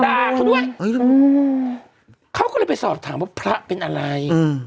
ด่าเขาด้วยเขาก็เลยไปสอบถามว่าพระเป็นอะไร